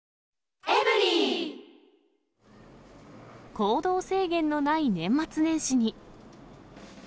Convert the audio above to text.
行動制限のない年末年始に。